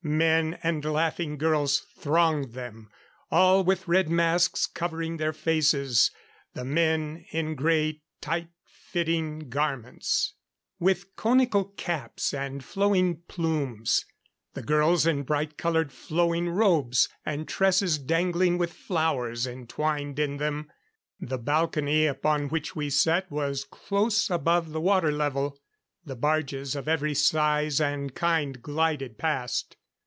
Men and laughing girls thronged them. All with red masks covering their faces. The men in grey tight fitting garments, with conical caps and flowing plumes; the girls in bright colored, flowing robes, and tresses dangling with flowers entwined in them. The balcony upon which we sat was close above the water level. The barges, of every size and kind, glided past.